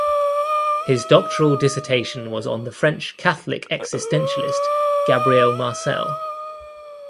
His doctoral dissertation was on the French Catholic existentialist, Gabriel Marcel.